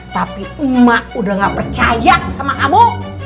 tapi emak udah gak percaya sama kamu